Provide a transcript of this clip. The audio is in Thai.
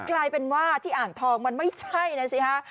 กลายเป็นว่าที่อ่างทองมันไม่ใช่นะสิฮะ